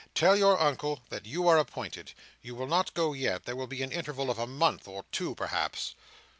Tell your Uncle that you are appointed. You will not go yet. There will be an interval of a month—or two perhaps."